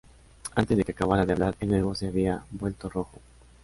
Antes de que acabara de hablar el huevo se había vuelto rojo.